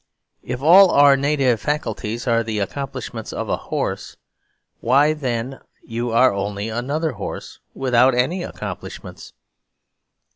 If all our native faculties are the accomplishments of a horse why then you are only another horse without any accomplishments."